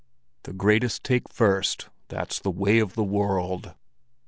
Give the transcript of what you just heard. The greatest take first; that's the way of the world!